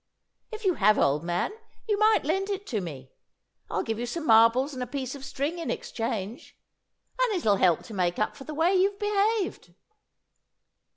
If you have, old man, you might lend it to me. I'll give you some marbles and a piece of string in exchange, and it'll help to make up for the way you've behaved!"